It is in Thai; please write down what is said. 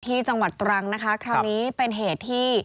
จังหวัดตรังนะคะคราวนี้เป็นเหตุที่